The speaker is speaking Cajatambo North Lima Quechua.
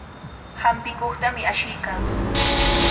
Hampikuqtami ashiykaa.